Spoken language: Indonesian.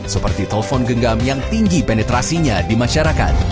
seperti telpon genggam yang tinggi penetrasinya di masyarakat